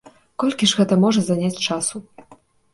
Колькі ж гэта можа заняць часу?